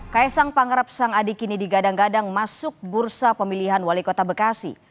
kaisang pangarep sang adik ini digadang gadang masuk bursa pemilihan wali kota bekasi